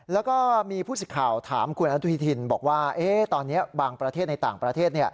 แล้วก็มีผู้สิทธิ์ข่าวถามคุณอนุทินบอกว่าตอนนี้บางประเทศในต่างประเทศ